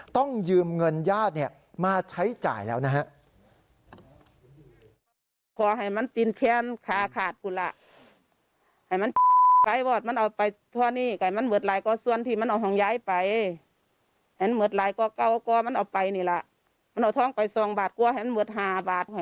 ต้องยืมเงินญาติมาใช้จ่ายแล้วนะฮะ